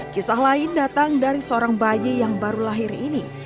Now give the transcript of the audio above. kisah lain datang dari seorang bayi yang baru lahir ini